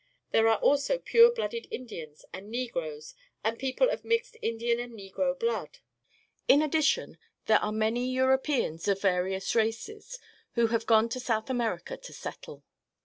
There are also pure blooded Indians and Negroes and people of mixed Indian and Negro blood. In addition, there are many Eui'opeans of v^iojasj'aces, who have gone to South Amer ica to settle.